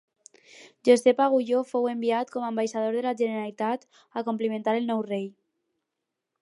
Josep Agulló fou enviat com a ambaixador de la Generalitat a complimentar el nou rei.